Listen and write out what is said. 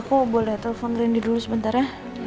aku boleh telfon rendy dulu sebentar ya